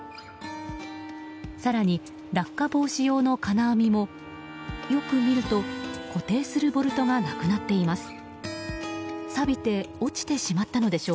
更に、落下防止用の金網もよく見ると、固定するボルトがなくなっています。